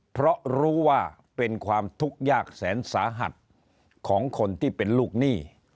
เพราะรู้ว่าเป็นความทุกข์ยากแสนสาหัสของคนที่เป็นลูกหนี้